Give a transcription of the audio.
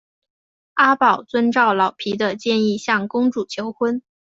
阿宝遵照老皮的建议向公主求婚。